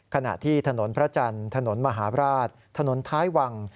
ขณะที่ถนนพระจันทร์ถนนมหาบราชถนนท้ายวัง